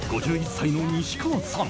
５１歳の西川さん。